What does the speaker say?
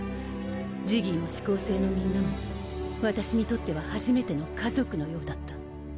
ジギーも四煌星のみんなも私にとっては初めての家族のようだった。